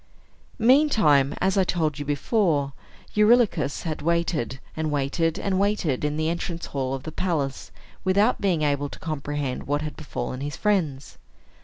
Meantime, as I told you before, Eurylochus had waited, and waited, and waited, in the entrance hall of the palace, without being able to comprehend what had befallen his friends.